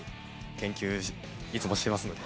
研究いつもしてますので。